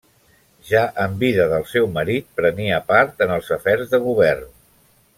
Ja en vida del seu marit prenia part en els afers de govern.